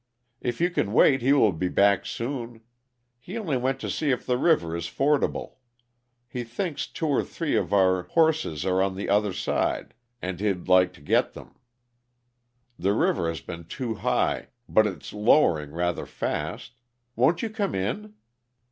"If you can wait, he will be back soon. He only went to see if the river is fordable. He thinks two or three of our horses are on the other side, and he'd like to get them. The river has been too high, but it's lowering rather fast. Won't you come in?"